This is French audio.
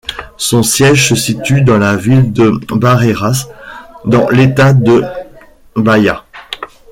Son siège se situe dans la ville de Barreiras, dans l'État de Bahia.